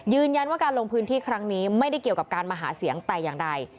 การลงพื้นที่ครั้งนี้ไม่ได้เกี่ยวกับการมาหาเสียงแต่อย่างใด